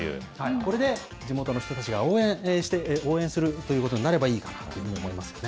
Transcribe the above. これで地元の人たちを応援するということになればいいかなと思いますね。